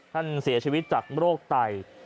ท่านเสียชีวิตจากโรคไต